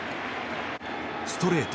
ストレート。